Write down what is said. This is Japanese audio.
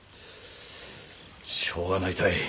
しょうがないたい。